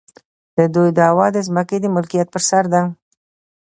د دوی دعوه د ځمکې د ملکیت پر سر ده.